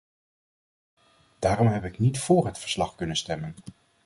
Daarom heb ik niet vóór het verslag kunnen stemmen.